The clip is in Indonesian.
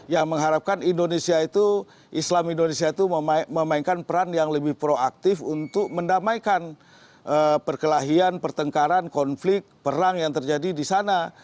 yang mengharapkan indonesia itu islam indonesia itu memainkan peran yang lebih proaktif untuk mendamaikan perkelahian pertengkaran konflik perang yang terjadi di sana